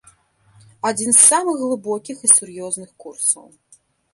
Адзін з самых глыбокіх і сур'ёзных курсаў.